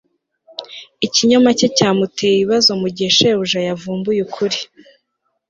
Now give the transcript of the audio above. ikinyoma cye cyamuteye ibibazo mugihe shebuja yavumbuye ukuri